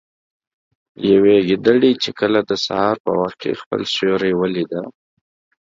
يوې ګيدړې چې کله د سهار په وخت كې خپل سيورى وليده